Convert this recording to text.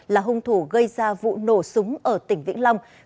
là hung thủ gây ra vụ nổ súng ở tỉnh vĩnh long